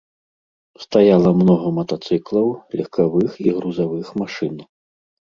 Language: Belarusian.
Стаяла многа матацыклаў, легкавых і грузавых машын.